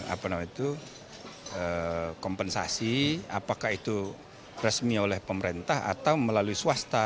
apa namanya itu kompensasi apakah itu resmi oleh pemerintah atau melalui swasta